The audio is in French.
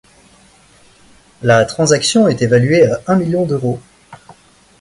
La transaction est évaluée à un million d’euros.